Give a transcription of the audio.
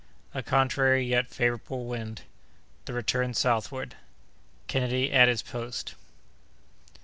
—A Contrary yet Favorable Wind.—The Return southward.—Kennedy at his Post.